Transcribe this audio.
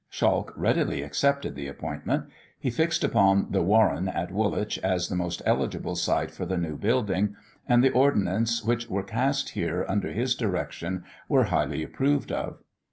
Schalch readily accepted the appointment: he fixed upon the Warren at Woolwich, as the most eligible site for the new building; and the ordnance which were cast here under his direction were highly approved of.